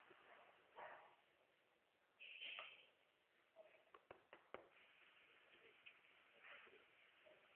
Výroba byla zanedlouho opět zastavena kvůli válečným událostem a obnovena až v poválečných letech.